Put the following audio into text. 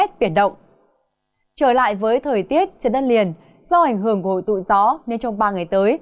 trở lại với thời tiết trên đất liền do ảnh hưởng của hội tụ gió nên trong ba ngày tới